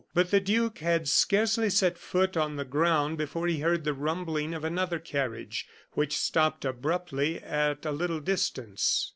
But the duke had scarcely set foot on the ground before he heard the rumbling of another carriage which stopped abruptly at a little distance.